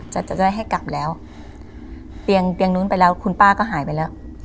จะได้ให้กลับแล้วเตียงเตียงนู้นไปแล้วคุณป้าก็หายไปแล้ว